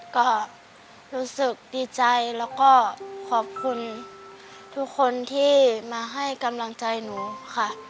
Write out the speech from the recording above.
ก็รู้สึกดีใจแล้วก็ขอบคุณทุกคนที่มาให้กำลังใจหนูค่ะ